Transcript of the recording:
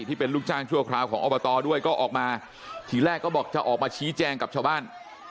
ที่เป็นลูกจ้างชั่วคราวของอบตด้วยก็ออกมาทีแรกก็บอกจะออกมาชี้แจงกับชาวบ้าน